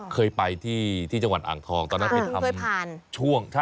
เคยไปที่จังหวัดอ่างทองตอนนั้นไปทำช่วง